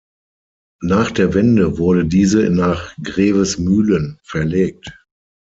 Nach der Wende wurde diese nach Grevesmühlen verlegt.